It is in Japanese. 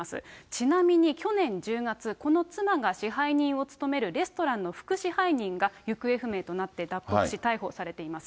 ちなみに去年１０月、この妻が支配人を務めるレストランの副支配人が行方不明となって脱北し逮捕されています。